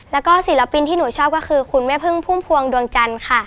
แล้วก็ศิลปินที่หนูชอบก็คือคุณแม่พึ่งพุ่มพวงดวงจันทร์ค่ะ